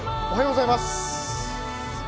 おはようございます。